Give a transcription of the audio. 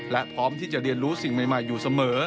และพร้อมที่จะเรียนรู้สิ่งใหม่อยู่เสมอ